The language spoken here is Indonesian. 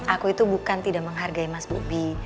aku itu bukan tidak menghargai mas bobi